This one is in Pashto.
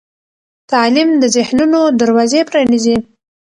تعلیم د ذهنونو دروازې پرانیزي.